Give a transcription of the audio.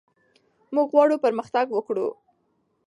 موږ غواړو پرمختګ وکړو.